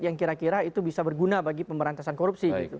yang kira kira itu bisa berguna bagi pemberantasan korupsi gitu